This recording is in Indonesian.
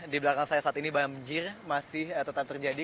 di belakang saya saat ini banjir masih tetap terjadi